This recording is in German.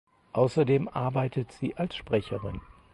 Außerdem arbeitet sie als Sprecherin.